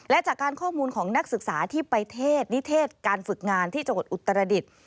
และจากการข้อมูลของนักศึกษาที่ไปเทศนิเทศการฝึกงานที่จังหวัดอุตรดิษฐ์